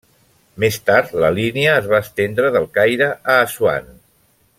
Més tard la línia es va estendre del Caire a Assuan.